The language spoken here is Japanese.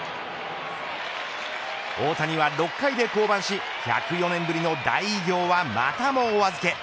大谷は６回で降板し１０４年ぶりの大偉業はまたもお預け